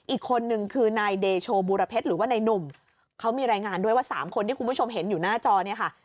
อีกคนนึงคือนายเดโชบูรเพชรหรือว่านายหนุ่มเขามีรายงานด้วยว่าสามคนที่คุณผู้ชมเห็นอยู่หน้าจอเนี่ยค่ะ